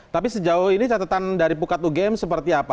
tapi sejauh ini catatan dari pukat ugm seperti apa